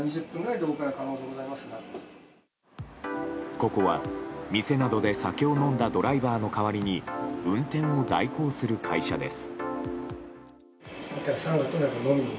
ここは店などで酒を飲んだドライバーの代わりに運転を代行する会社です。